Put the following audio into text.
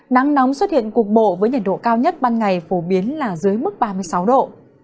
nắng nóng xuất hiện cục bộ với nhiệt độ cao nhất ban ngày phổ biến là dưới mức ba mươi sáu độ